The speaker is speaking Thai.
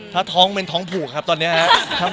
ถ้าท้องเป็นท้องผูกครับตอนนี้ครับ